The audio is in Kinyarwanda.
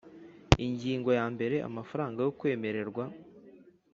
Ingingo yambere Amafaranga yo kwemererwa